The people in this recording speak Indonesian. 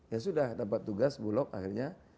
ya sudah dapat tugas bulog akhirnya